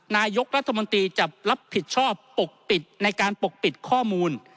นายกรัฐมนตรีจะรับผิดชอบปกปิดในการปกปิดข้อมูล